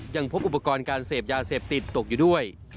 ยังพบอุปกรณ์การเสพยาเสพติดตกอยู่ด้วย